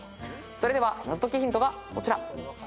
それでは謎解きヒントがこちら。